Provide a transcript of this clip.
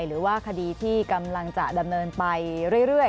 หรือว่าคดีที่กำลังจะดำเนินไปเรื่อย